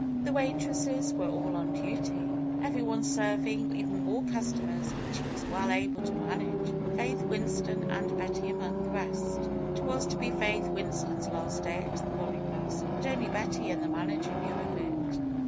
The waitresses were all on duty, everyone serving even more customers than she was well able to man age; Faith Winston and Betty among the rest. It was to be Faith Winston's last day at the Boniface; hut only Betty and the manager knew of it.